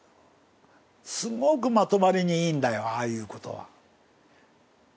すごくまとまりにいいんだよああいうことは。